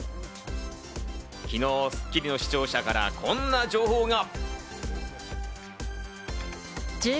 昨日『スッキリ』の視聴者からこんな情報が。